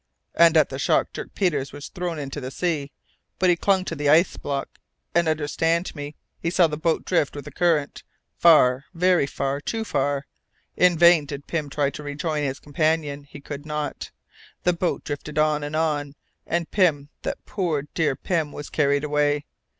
At the shock Dirk Peters was thrown into the sea, but he clung to the ice block, and understand me, he saw the boat drift with the current, far, very far, too far! In vain did Pym try to rejoin his companion, he could not; the boat drifted on and on, and Pym, that poor dear Pym, was carried away.